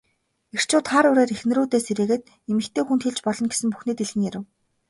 Эрчүүд хар үүрээр эхнэрүүдээ сэрээгээд эмэгтэй хүнд хэлж болно гэсэн бүхнээ дэлгэн ярив.